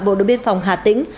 bộ đội biên phòng hà tĩnh